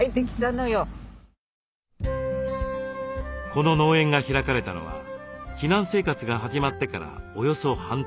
この農園が開かれたのは避難生活が始まってからおよそ半年後。